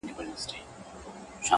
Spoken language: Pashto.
همدا اوس وايم درته;